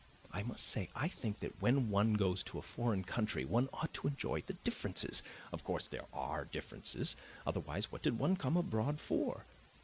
I must say I think that when one goes to a foreign country one ought to enjoy the differences. Of course there are differences, otherwise what did one come abroad for?